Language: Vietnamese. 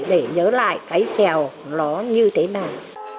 để nhớ lại cái trèo nó như thế nào